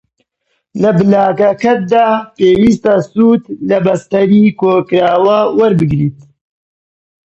لە بڵاگەکەتدا پێویستە سوود لە بەستەری کۆکراوە وەربگریت